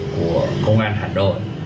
của công an hà nội